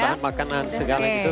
bahan makanan segala gitu